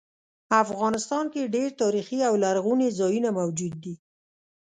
افغانستان کې ډیر تاریخي او لرغوني ځایونه موجود دي